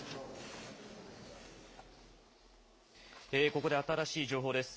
ここで新しい情報です。